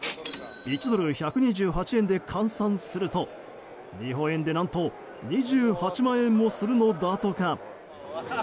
１ドル＝１２８円で換算すると日本円で何と２８万円もするのだとか。